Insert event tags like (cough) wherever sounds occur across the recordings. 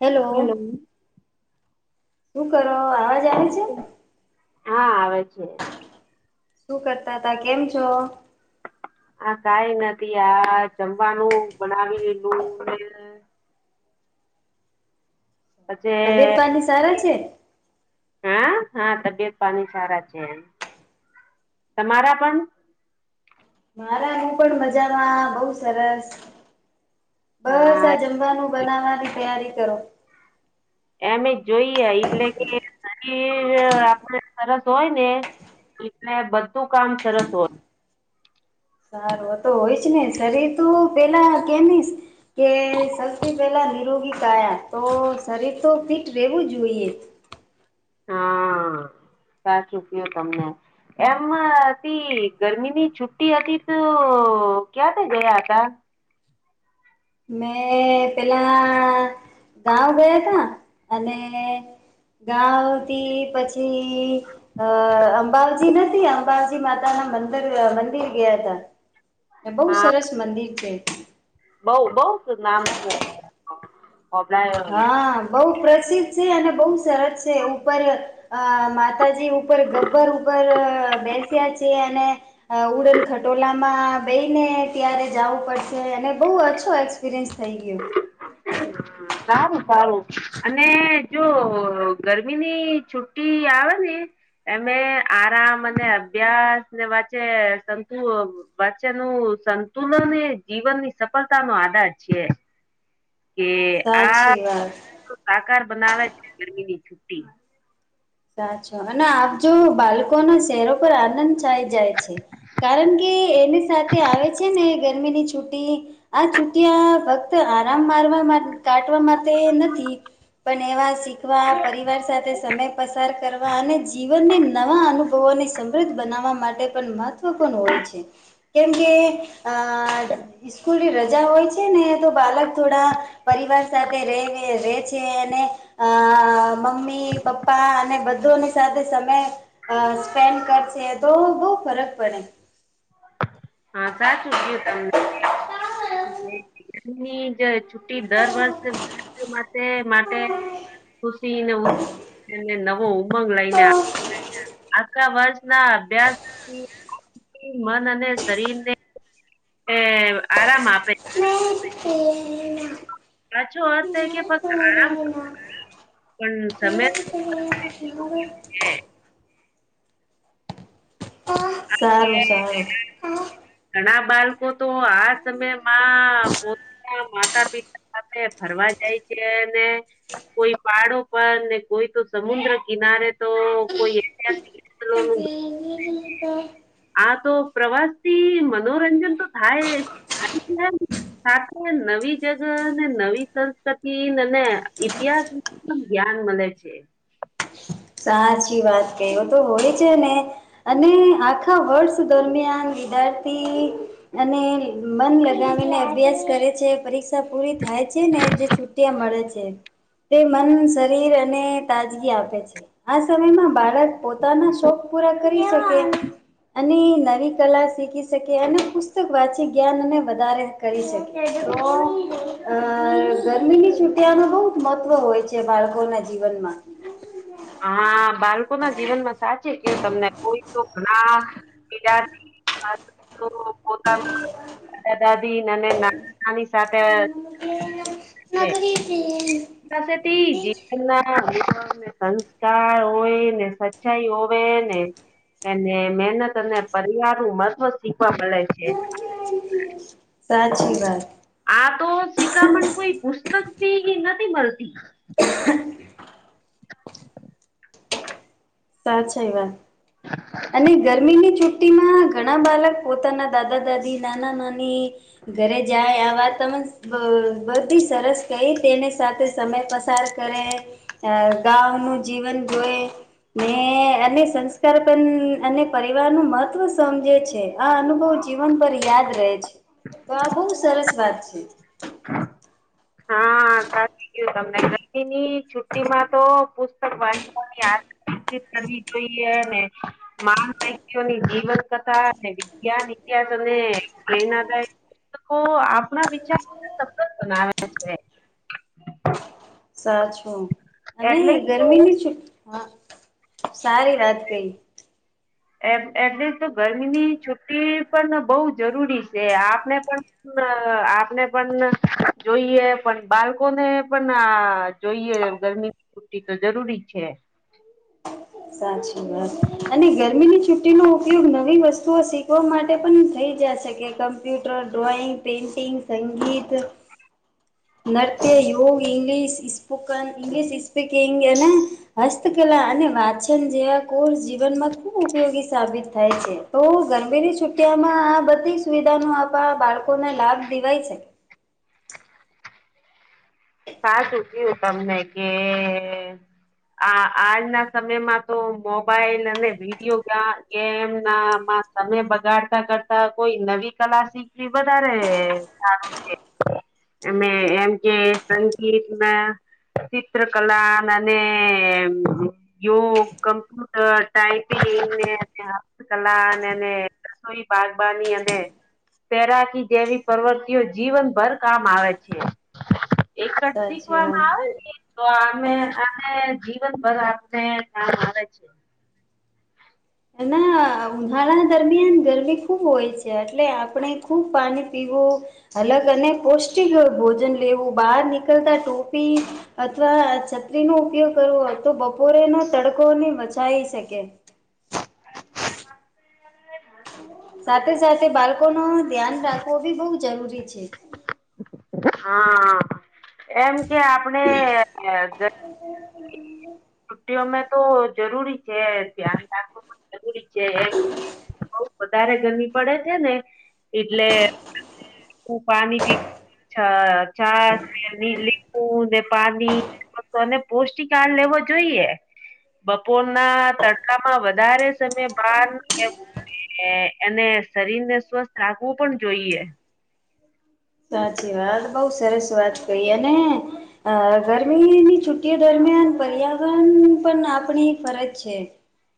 Hello હું કરો આવાજ આવે છે? હા આવે છે. શું કરતા તા કેમ છો? આ કાઈ નથી આ જમવાનું બનાવી લીધું તબિયત પછી પાણી સારા છે હા હા તબિયત પાણી સારા છે એમ. તમારા પણ? મારા હું પણ મજામાં બઉ સરસ. બસ હા આ જમવાનું બનાવવાની તૈયારી કરો. એમે જોઈએ એટલે કે, એ આપડ સરસ હોય ને એટલે બધું કામ સરસ હોય. સારું તો હોય જ ને શરીર તું પેલા કેમીશ. કે સૌથી પહેલા નિરોગી કાયા તો શરીર તો ફિટ રહેવું જોઈએ. હા સાચૂ ક્યો તમને એમ હતી ગરમીની છુ્ટી હતી તો ક્યાંથી ગયા હતા? મેં પેલા ગાંવ ગયા તા અને ગાંવ થી પછી અ અંબાજી નથી અંબાજી માતાના મંદર મંદિર ગયા તા. બહુ હા સરસ મંદિર છે. બઉ બહ નામ છે અ (unintelligible) હા બહુ પ્રસિદ્ધ છે અને બહુ સરસ છે ઉપર અ માતાજી ઉપર ગબ્બર ઉપર બેસ્યા છે અને અ ઉડન ખટોલામાં બેઈ ને ત્યારે જાવું પડશે. એને બહુ અછો એક્સપિરિયન્સ થઈ ગયો. હા. સારું સારું અને જો ગરમીની છુટ્ટી આવે ને? એમે આરામ અને અભ્યાસ ને વચ્ચે સંતુ વચ્ચે નું સંતુલન એ જીવન ની સફળતા નો આધાર છે. કે આ સાચી વાત સાકાર બનાવે છે ગરમીની છુટ્ટી. સાચો અને આપજો બાલકોના શહેરો પર આનંદ છાઈ જાય છે. કારણ કે એની સાથે આવે છે ને ગરમીની છુટી. આ છુટિયા ફક્ત આરામ મારવા માટ કાટવા માટે નથી પણ એવા શીખવા પરિવાર સાથે સમય સાર કરવા અને જીવનને નવા અનુભવોને સમૃદ્ધ બનાવવા માટે પણ મહત્વપૂર્ણ હોય છે. કેમ કે અ સ્કૂલની રજા હોય છે ને તો બાળક થોડા પરિવાર સાથે ર રે છે અને અ મમ્મી પપ્પા પપ્પા અને બધોની સાથે સમય સ્પેન્ડ કરશે તો બહુ ફરક પડે હા સાચું કું તમને ની જે છુી દર વર્ષ માટે માટે ખુસીને એને નવો ઉમંગ લઈને આખા વર્ષ ના અભ્યાસથી મન અને શરીર ને એ આરામ આપે (unintelligible) સાચું અર્થ થાય કે ફક્ત આરામ પણ સમય (unintelligible) સારું સારું ઘણા બાળકો તો આ સમયમાં પો માતા પિતા સાથે ફરવા જાય છે, અને કોઈ પાહડો પર ને કોઈ તો સમુદ્ર કિનારે તો કોઈ ઐતિહાસિક સ્થળોનું (unintelligible) આ તો પ્રવાસ થી મનોરંજન તો થાય થાય જાય સાથે નવી જગ નવી સંસ્કૃતિ અને ઈતિહાસ એકદમ જ્ઞાન મળે છે. સાચી વાત કહી હો તો હોળી છે ને અને આખા વર્ષ દરમિયાન વિદ્યાર્થી અને મન લગાવી ને અભ્યાસ કરે છે, પરી ક્ષા પૂરી થાય છે, ને જે છુટ્ટિયા મળે છે. તે મન શરીર અને તાજગી આપે છે. આ સમયમાં બાળક પોતાના શોખ પૂરા કરી શકે. અને નવી કલા શીખી શકે અને પુસ્તક વાંચી જ્ઞાન અને વધારે કરી શકે (unintelligible) અ ગરમીની છુટીયા મા બહુ જ મહત્વ હોય છે, બાળકોના જીવનમાં હા બાળકો ના જીવન માં સાચી કે તમને કોઈ તો ઘણા (unintelligible) પોતાના દાદા દાદી અને નાની નાની સાથે છે. (inaudible) (unintelligible) સંસ્કાર હોય ને સચ્ચાઈ હોવે ને અને મહેનત અને પરિવાર નું મહત્વ જ શીખવા મડે છે. સાચી વાત. આ તો શિખામણ કોઈ પુસ્તક થી નથી મળતી. સાચા એ વાત અને ગરમીની છુ ટી માં ઘણા બાળક પોતાના દાદા દાદી, નાના નાની ઘરે જાય આ વાત તમે બ બધી સરસ કઈ તેની સાથે સમય પસાર કરે અ ગાઉ નુ જીવન જોય ને અને સંસ્કાર પણ અને પરિવાર નું મહત્વ સમજે છે આ અનુભવ જીવન પર યાદ રહે છે, તો આ બહુ સરસ વાત છે. હા. સાચી ક્યો તમને ગરમની છુટી માં તો પુસ્તક વાંચવાની આદ વાતચીત કરવી જોઈએ ને માહાન વહક્તિઓની જીવન કથા અને વિજ્ઞાન ઇતિહાસ અને પ્રેરણાદાય લોકો આપણા વિચાર માટે સતત બનાવે છે. સાચું અને એટલે જ તો ગરમીની છુ હ સારી વાત કઈ એ એટલે તો ગરમીની છુટી પણ બહુ જરૂરી છે, આપને પણ આપને પણ જોઈએ પણ બાળકો ને પણ જોઈએ ગરમીની છુટી તો જરૂરી છે. સાચી વાત. અને ગરમીની છુટી નો ઉપયોગ નવી વસ્તુઓ શીખવા માટે પણ થઈ જશે કમ્પ્યુટર ડ્રોઈંગ પેઇન્ટિંગ સંગીત નૃત્ય યોગ ઇંગલિશ સ્પોકન ઈંગ્લિશ સ્પીકીગ એના હસ્તકલા અને વાચન જેવા કોર્ષ જીવનમાં ખુબ ઉપયોગી સાબિત થાય છે તો ગરમીની છુટિયામાં આ બધી સુવિધાનો આપવા બાળકોને લાભ દેવાય છે ક સુૂકી તમને કે આજના સમયમાં તો મોબાઈલ અને વિડીયો ગેમ ના તમે બગાડતા કરતા કોઈ નવી કલા શીખવી વધારે સારું છે અમે એમ કે સંગીતમાં ચિત્રકલા અને અને યોગ કમ્પ્યુટર ટાઈપિંગ ને હસ્તકલા ને રી બાગબની અને તૈરાકી જેવી પ્રવૃત્તિઓ જીવન ભર કામ આવે છે એકડછ ક સાચી વાત હ તો આ આને જીવન ભર આપને ધ્યાન આવે છે ના ઉનાળા દરમિયાન ગરમી ખૂબ હોય છે એટલે આપણે ખૂબ પાણી પીવું અલગ અને પૌષ્ટિક ભોજન લેવું બહાર નીકળતા ટોપી અથવા છત્રી નો ઉપયોગ કરવો તો બપોરેના તડકોને બચાઈી શકે ું સાથે સાથે બાળકો ન ધ્યાન રાખવો બી બઉવ જરૂરી છે હા એમ કે આપડ હમ હ છુ્ટી અમે તો જરૂરી છે ધ્યાન રાખવું પણ જરૂરી છે બઉ વધારે ગરમી પડે છે ને એટલે પાણીી લીંબુને પા તોને પૌષ્ટિક આાર લેવો જોઈએ બપોર ના તડકામાં વધારે સમય ભાર એ એને શરીર ને સ્વસ્થ રાખવું પણ જોઈએ સાચી વાત બઉ સરસ વાત કહીએ ને અ ગરમીની છુ્ટીઓ દરમિયાન પર્યાવરણ પણ આપણી ફરજ છે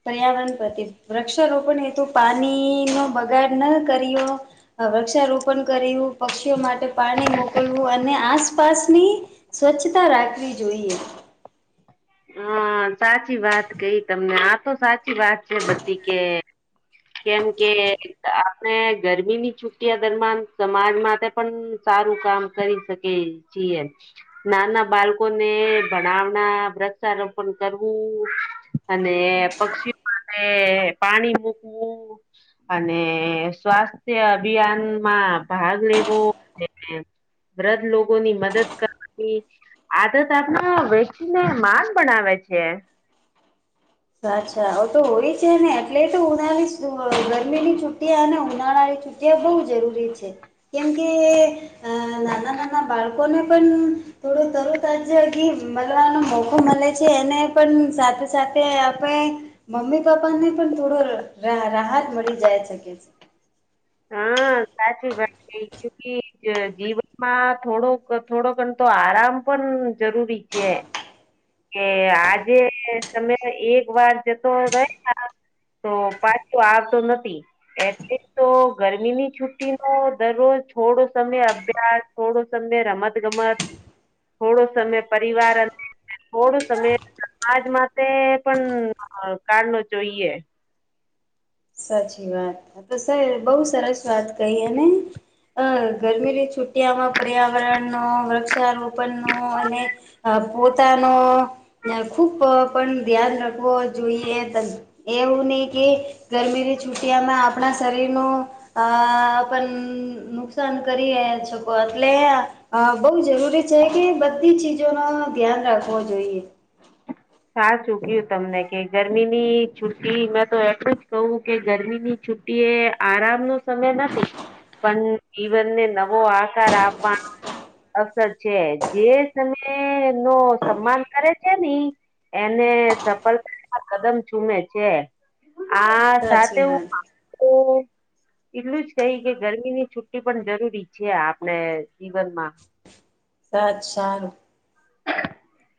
પર્યાવરણ પ્રતિ વૃક્ષારોપણ હ તોુ પાણી નો બગાડ ન કર્યો વૃક્ષારોપણ કરું પક્ષીઓ માટે પાણી મોકલવું અને આસપાસની સ્વચ્છતા રાખવી જોઈએ હ સાચી વાત કઈ તમને આ તો સાચી વાત છે બધી કે કેમ કે આપણે ગરમીની છુટિયા દરમિયાન સમાજ માટે પણ સારું કામ કરી શકી ીએ નાના બાળકો ને ભણાવના વ્રક્ષ સાર પણ કરવું અને પક્ષીઓ માટે પાણી મૂકવું અને સ્વાસ્થ્ય અભિયાનમાં ભાગ લેવો વૃધ લોકો ની મદદ કરવાની આદત આપ વ માન બનાવે છે અચ્છા હ તો હોય છે ને એટલે તો ઉનાળી ગરમીની છુટ્ટી અનેને ઉનાળાની છ તે બહુ જરૂરી છે કેમ કે અ નાના નાના બાળકોને પણ થોડું તરુત જ મળવાનો મોકો મળે છે એને પણ સાથે સાથે આપણે મમ્મી પપ્પા ને પણ થોડો રાહત મળી જાય શકે છે હા સાચી ભાઈ જીવનમાં થોડોક થોડોકણ તો આરામ પણ જરૂરી કે કે આજે તમે એક વાર જતો રહી તો પાછું આવતો નથી એટલે તો ગરમીની છુ્ટી નો દરરોજ થોડો સમય અભ્યાસ થોડો સમય રમત ગમત થોડો સમય પરિવાર અંદર થોડો સમય સમાજ માટે પણ કાળ ન જોઈએ સાચી વાત તો સર બહુ સરસ વાત કહીએને અ ગરમીની છુટિયામાં પર્યાવરણ નો વૃક્ષારોપણ નો અને હ પોતાનો ખુબ પણ ધ્યાન રાખવો જોઈએ એવું નહી કે ગરમીની છુટિયામાં આપણા શરીરનો અ પણ નુકસાન કરીએ છકો એટલે અ બહુ જરૂરી છે કે બધી ચીજો ન ધ્યાન રાખવો જોઈએ સાા ચૂક્યું તમને કે ગરમીની છુટી મેં તો એટલું જ કહું કે ગરમીની છુ એ આરામ નો સમય નથી પણ જીવનને નવો આકાર આપવાનો અવસર છે જે તય નો સન્માન કરે છે ની એને સફળતા કદમ ચૂમે છે આ સાથે સાચી હું વાત હ એટલું જ કહી કે ગરમીની છુટ્ટી પણ જરૂરી છે આપણે જીવનમાં સાત સાારું (inaudible)